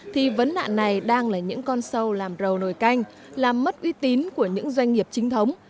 thì vấn nạn này đang là những con sâu làm rầu nồi canh làm mất uy tín của những doanh nghiệp chính thống